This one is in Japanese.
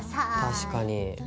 確かに。